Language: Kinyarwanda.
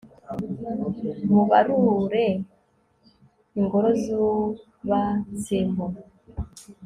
mubarure ingoro zubatsemo